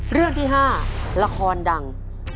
เรื่องที่๕ละครดัง